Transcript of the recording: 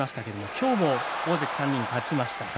今日も大関３人が勝ちました。